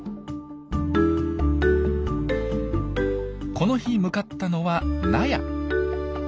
この日向かったのは納屋。